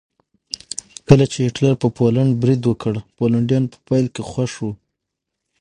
کله چې هېټلر په پولنډ برید وکړ پولنډیان په پیل کې خوښ وو